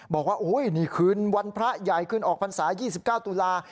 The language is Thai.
บอกว่าโอ้ยนี่ขึ้นวันพระใหญ่ขึ้นออกภาษา๒๙ตุลา